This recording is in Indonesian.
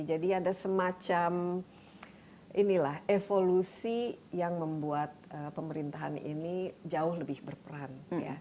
jadi ada semacam inilah evolusi yang membuat pemerintahan ini jauh lebih berperan